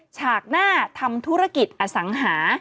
ฉากหน้าทำธุรกิจอสังหา